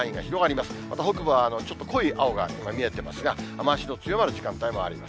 また北部はちょっと濃い青が今見えていますが、雨足の強まる時間帯もあります。